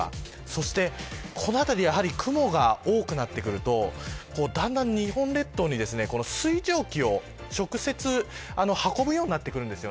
そして、この辺り雲が多くなってくるとだんだん、日本列島に水蒸気を直接運ぶようになってくるんです。